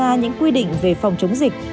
và đưa ra những quy định về phòng chống dịch